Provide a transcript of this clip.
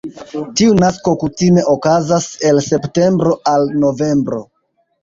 Tiu nasko kutime okazas el septembro al novembro.